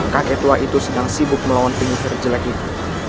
kakek tua itu sedang sibuk melawan penyisir jelek itu